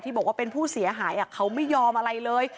บอกว่าเป็นผู้เสียหายเขาไม่ยอมอะไรเลย